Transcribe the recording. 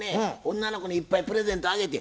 女の子にいっぱいプレゼントあげて。